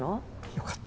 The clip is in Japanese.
よかった。